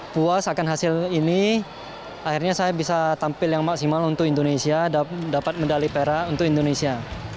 puas akan hasil ini akhirnya saya bisa tampil yang maksimal untuk indonesia dapat medali perak untuk indonesia